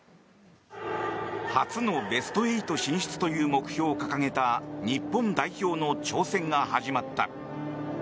初のベスト８進出という目標を掲げた日本代表の挑戦が始まった。